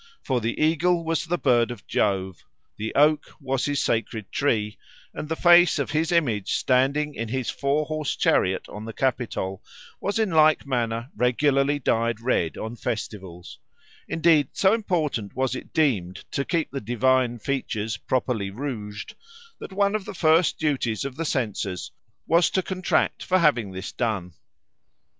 For the eagle was the bird of Jove, the oak was his sacred tree, and the face of his image standing in his four horse chariot on the Capitol was in like manner regularly dyed red on festivals; indeed, so important was it deemed to keep the divine features properly rouged that one of the first duties of the censors was to contract for having this done.